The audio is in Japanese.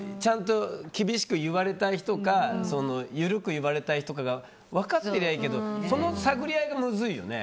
厳しく言われたい人かゆるく言われたい人か分かってればいいけど探り合いが難しいよね。